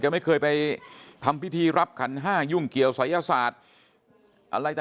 เคยไม่เคยไปทำพิธีรับครันฮ่ายุ่งเกี่ยวสายอาชาติ